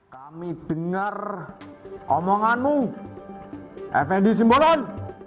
kami dengar omonganmu fnd simbolon